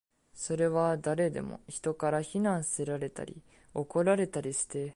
それは誰でも、人から非難せられたり、怒られたりして